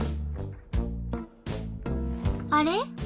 あれ？